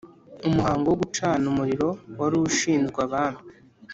umuhango wo gucana umuriro wari ushinzwe abami